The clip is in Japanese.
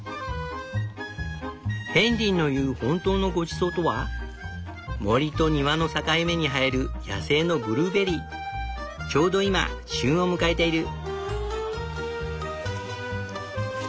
ヘンリーの言う「本当のごちそう」とは森と庭の境目に生える野生のちょうど今旬を迎えている。